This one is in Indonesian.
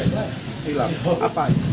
hilaf dia ditendang pak